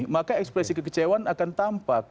maka ekspresi kekecewaan akan tampak